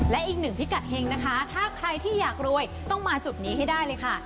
และอีกหนึ่งพิกัดเฮงนะคะถ้าใครที่อยากรวยต้องมาจุดนี้ให้ได้เลยค่ะ